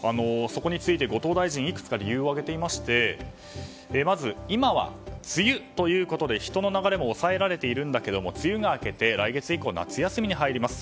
そこについて後藤大臣いくつか理由を挙げていましてまず今は梅雨ということで人の流れも抑えられているんだけれども梅雨が明けて来月以降、夏休みに入ります。